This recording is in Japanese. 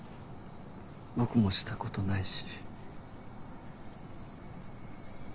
僕もしたことないし